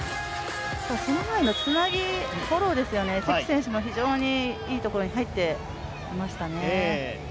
その前のつなぎ、フォローですよね関選手も非常にいいところに入っていましたね。